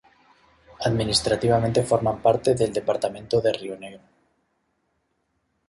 Administrativamente forman parte del departamento de Río Negro.